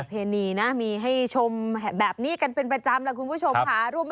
เพณีนะมีให้ชมแบบนี้กันเป็นประจำแล้วคุณผู้ชมค่ะ